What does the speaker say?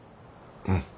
うん。